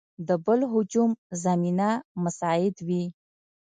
د بل هجوم زمینه مساعد وي.